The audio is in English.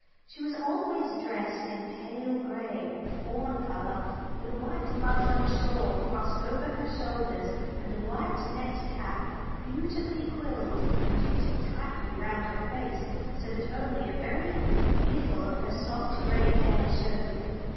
She was always dressed in pale gray or fawn colour, with a white muslin shawl crossed over her shoulders, and a white net cap beautifully quilled and fitting tightly round her face, so that only a very little of her soft gray hair showed.